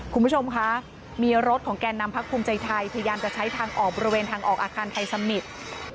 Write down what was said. คุณผู้ชมคะมีรถของแก่นำพักภูมิใจไทยพยายามจะใช้ทางออกบริเวณทางออกอาคารไทยสมิตร